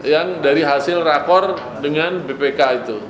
yang dari hasil rakor dengan bpk itu